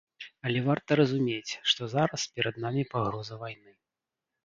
Але варта разумець, што зараз перад намі пагроза вайны.